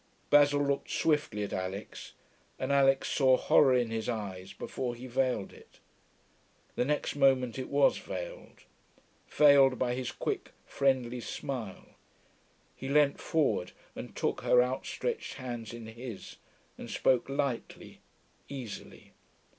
Basil looked swiftly at Alix, and Alix saw horror in his eyes before he veiled it. The next moment it was veiled: veiled by his quick friendly smile. He leant forward and took her outstretched hands in his, and spoke lightly, easily.